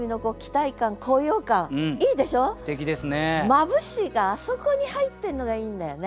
「眩し」があそこに入ってんのがいいんだよね。